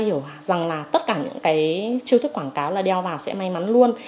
hiểu rằng là tất cả những cái chiêu thức quảng cáo là đeo vào sẽ may mắn luôn